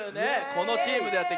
このチームでやっていきます。